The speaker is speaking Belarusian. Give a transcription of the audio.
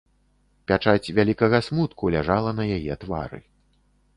Пячаць вялікага смутку ляжала на яе твары.